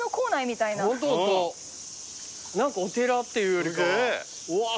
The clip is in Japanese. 何かお寺っていうよりかは。